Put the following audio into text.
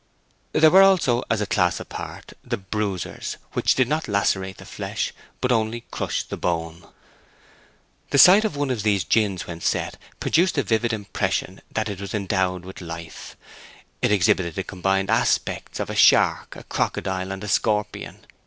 There were also, as a class apart, the bruisers, which did not lacerate the flesh, but only crushed the bone. The sight of one of these gins when set produced a vivid impression that it was endowed with life. It exhibited the combined aspects of a shark, a crocodile, and a scorpion.